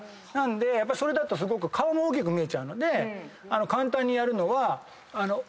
それだとすごく顔も大きく見えちゃうので簡単にやるのは「う」の口してください。